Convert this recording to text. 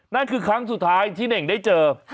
นั่นคือครั้งสุดท้ายที่เน่งได้เจอ